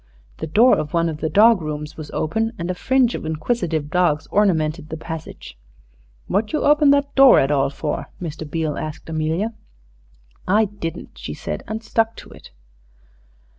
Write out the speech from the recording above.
The door of one of the dog rooms was open, and a fringe of inquisitive dogs ornamented the passage. "What you open that door at all for?" Mr. Beale asked Amelia. "I didn't," she said, and stuck to it.